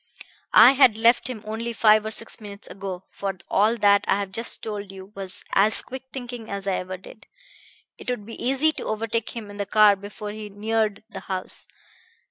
I had left him only five or six minutes ago for all that I have just told you was as quick thinking as I ever did. It would be easy to overtake him in the car before he neared the house.